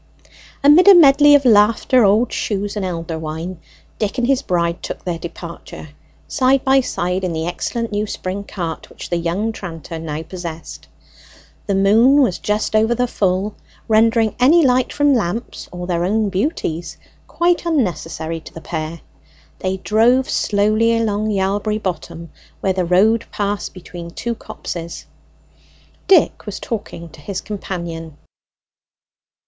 Amid a medley of laughter, old shoes, and elder wine, Dick and his bride took their departure, side by side in the excellent new spring cart which the young tranter now possessed. The moon was just over the full, rendering any light from lamps or their own beauties quite unnecessary to the pair. They drove slowly along Yalbury Bottom, where the road passed between two copses. Dick was talking to his companion.